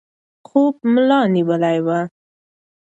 خوب ملا نیولی و.